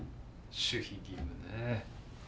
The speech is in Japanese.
守秘義務ね。